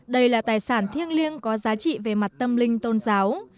đây là tài sản thiêng liêng có giá trị về mặt tâm linh tôn giáo